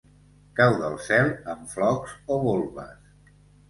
Cau del cel en flocs o volves.